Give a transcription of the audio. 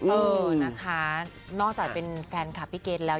เออนะคะนอกจากเป็นแฟนคลับพี่เกดแล้ว